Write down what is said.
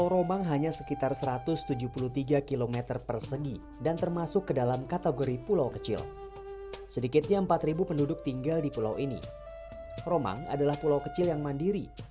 romang adalah pulau kecil yang mandiri